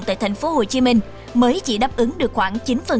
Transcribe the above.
tại thành phố hồ chí minh mới chỉ đáp ứng được khoảng